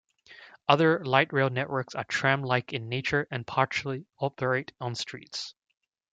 Other light rail networks are tram-like in nature and partially operate on streets.